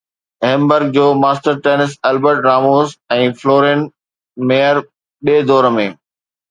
Hamburg جو master tennis Albert Ramos ۽ Florian Mayer ٻئي دور ۾